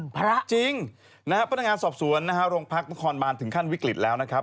พนักงานสอบสวนโรงพลักษณ์ทุกขอนบานถึงขั้นวิกฤตแล้วนะครับ